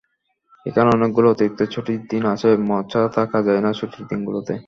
এখানে অনেকগুলো অতিরিক্ত ছুটির দিন আছে, মদ ছাড়া থাকাই যায় না ছুটির দিনগুলোতে!